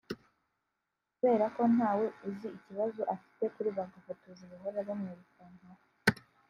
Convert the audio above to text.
Kubera ko na we azi ikibazo afite kuri bagafotozi bahora bamwirukankaho